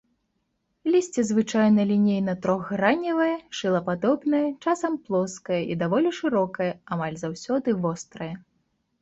Лісце звычайна лінейна-трохграневае, шылападобнае, часам плоскае і даволі шырокае, амаль заўсёды вострае.